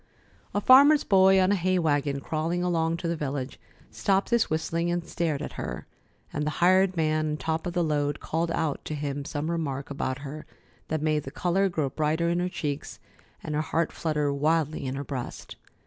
A farmer's boy on a hay wagon crawling along to the village stopped his whistling and stared at her; and the hired man on top of the load called out to him some remark about her that made the color grow brighter in her cheeks and her heart flutter wildly in her breast.